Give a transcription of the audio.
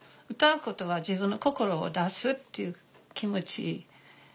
歌うことは自分の心を出すっていう気持ち。